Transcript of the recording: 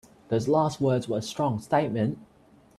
Those last words were a strong statement.